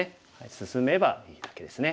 進めばいいだけですね。